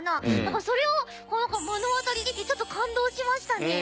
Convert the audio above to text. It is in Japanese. それを目の当たりにできてちょっと感動しましたね。